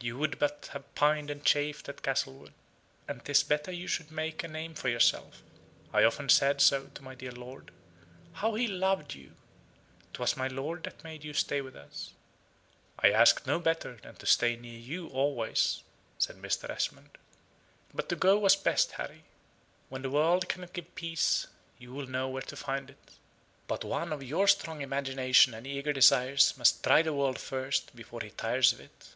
You would but have pined and chafed at Castlewood: and 'tis better you should make a name for yourself. I often said so to my dear lord. How he loved you! 'Twas my lord that made you stay with us." "I asked no better than to stay near you always," said Mr. Esmond. "But to go was best, Harry. When the world cannot give peace, you will know where to find it; but one of your strong imagination and eager desires must try the world first before he tires of it.